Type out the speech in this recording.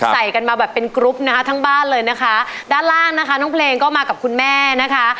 ใส่กันมาแบบเป็นกรุ๊ปนะคะทั้งบ้านเลยนะคะด้านล่างนะคะน้องเพลงก็มากับคุณแม่นะคะ